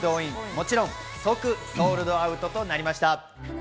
もちろん即ソールドアウトとなりました。